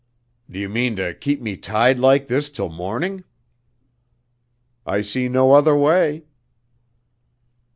"D' ye mean to keep me tied like this till morning?" "I see no other way."